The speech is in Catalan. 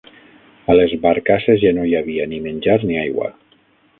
A les barcasses ja no hi havia ni menjar ni aigua